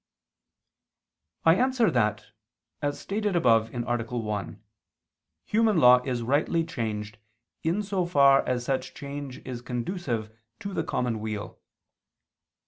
I answer that, As stated above (A. 1), human law is rightly changed, in so far as such change is conducive to the common weal.